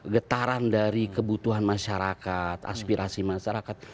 getaran dari kebutuhan masyarakat aspirasi masyarakat